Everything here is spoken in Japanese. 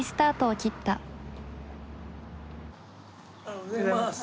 おはようございます。